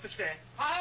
はい！